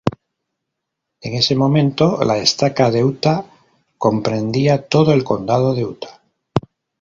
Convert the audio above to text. En ese momento, la Estaca de Utah comprendía todo el Condado de Utah.